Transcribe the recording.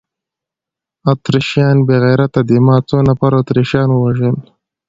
اتریشیان بې غیرته دي، ما څو نفره اتریشیان ووژل؟